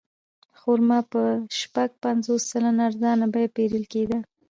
خرما په شپږ پنځوس سلنه ارزانه بیه پېرل کېده.